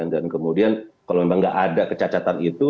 dan kemudian kalau memang nggak ada kecacatan itu